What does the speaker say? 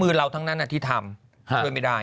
เราทั้งนั้นที่ทำช่วยไม่ได้